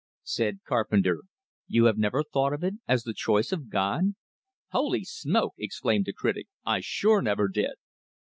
Said Carpenter: "You have never thought of it as the choice of God?" "Holy smoke!" exclaimed the critic. "I sure never did!"